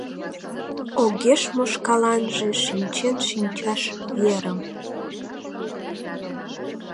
Огеш му шкаланже шинчен-шинчаш верым...